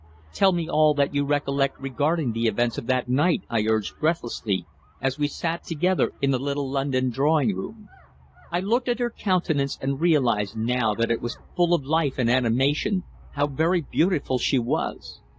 "Tell me all that you recollect regarding the events of that night," I urged breathlessly as we sat together in the little London drawing room. I looked at her countenance and realized now that it was full of life and animation, how very beautiful she was.